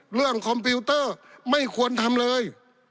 คอมพิวเตอร์ไม่ควรทำเลย